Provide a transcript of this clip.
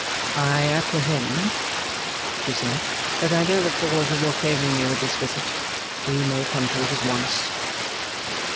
'I apprehend,' she said, 'that I know the cause of your favouring me with this visit. We may come to it at once.